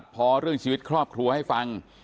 พอเรื่องชีวิตครอบครัวให้ฟัง